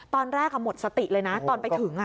ตอนแรกหมดสติเลยนะตอนไปถึง